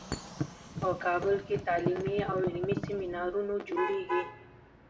په کابل کې تعلیمي او علمي سیمینارونو جوړیږي